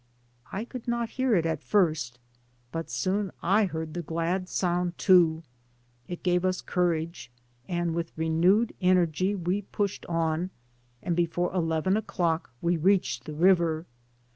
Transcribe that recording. "I could not hear it at first, but soon I heard the glad sound too. It gave us cour age, and with renewed energy we pushed on, and before eleven o'clock we reached the river.